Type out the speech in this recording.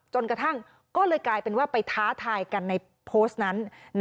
จนกระทั่งก็เลยกลายเป็นว่าไปท้าทายกันในโพสต์นั้น